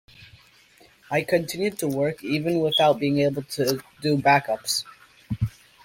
I continued to work even without being able to do backups.